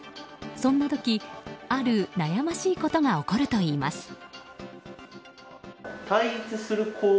そんな時、ある悩ましいことが起こるといいます。